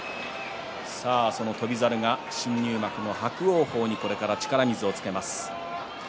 その翔猿が新入幕の伯桜鵬に力水をつけます。